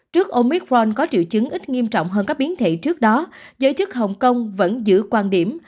trước ông micron có triệu chứng ít nghiêm trọng hơn các biến thể trước đó giới chức hồng kông vẫn giữ quan điểm